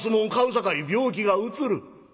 さかい病気がうつる。